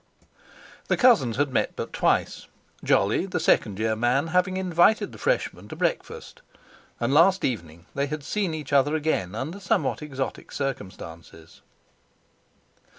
The cousins had met but twice, Jolly, the second year man, having invited the freshman to breakfast; and last evening they had seen each other again under somewhat exotic circumstances.